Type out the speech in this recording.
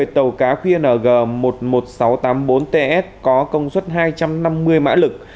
tàu cá qng một mươi một nghìn sáu trăm tám mươi bốn ts có công suất hai trăm năm mươi mã lực